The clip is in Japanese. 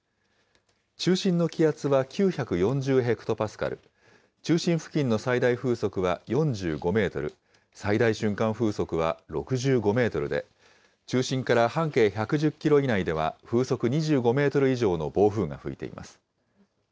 中心の気圧は９４０ヘクトパスカル、中心付近の最大風速は４５メートル、最大瞬間風速は６５メートルで、中心から半径１１０キロ以内では風速２５メートル以上の暴風が吹いています。